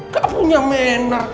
gak punya mena